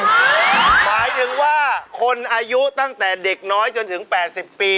หมายถึงว่าคนอายุตั้งแต่เด็กน้อยจนถึง๘๐ปี